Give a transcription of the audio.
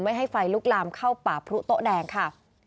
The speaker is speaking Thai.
ให้ไฟลุกลามเข้าป่าพรุโต๊ะแดงค่ะ